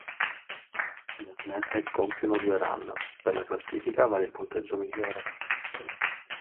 Le atlete compiono due run; per la classifica vale il punteggio migliore.